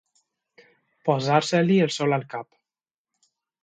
Posar-se-li el sol al cap.